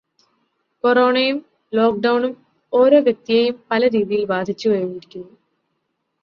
കോറോണയും ലോക്ക്ഡൗണും ഓരോ വ്യക്തിയെയും പല രീതിയിൽ ബാധിച്ചുകഴിഞ്ഞിരിക്കുന്നു.